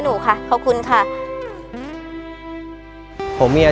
หนูรู้สึกดีมากเลยค่ะ